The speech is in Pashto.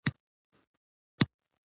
ګاز د افغانستان د موسم د بدلون سبب کېږي.